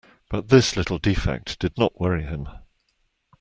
But this little defect did not worry him.